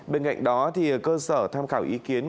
bên cạnh đó cơ sở tham khảo ý kiến